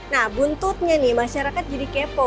nah buntutnya nih masyarakat jadi kepo